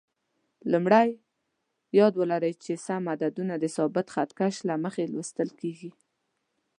لومړی: یاد ولرئ چې سم عددونه د ثابت خط کش له مخې لوستل کېږي.